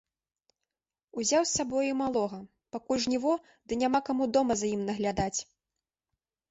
Узяў з сабою і малога, пакуль жніво ды няма каму дома за ім наглядаць.